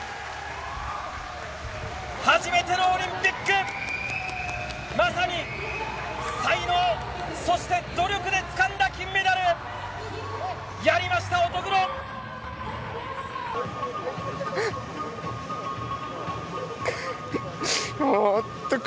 初めてのオリンピック、まさに才能、努力でつかんだ金メダル！やりました、乙黒。